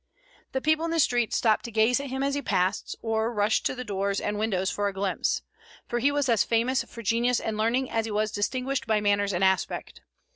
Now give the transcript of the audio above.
The people in the streets stopped to gaze at him as he passed, or rushed to the doors and windows for a glimpse; for he was as famous for genius and learning as he was distinguished by manners and aspect.